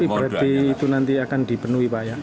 berarti itu nanti akan dipenuhi pak ya